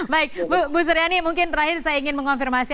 baik bu suryani mungkin terakhir saya ingin mengonfirmasi